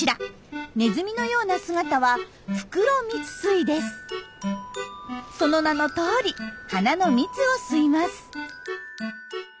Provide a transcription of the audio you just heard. ネズミのような姿はその名のとおり花の蜜を吸います。